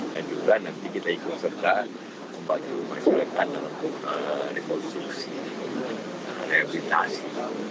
dan juga nanti kita ikut serta membantu masyarakat untuk rekonstruksi rehabilitasi